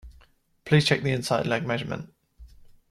Please check the inside leg measurement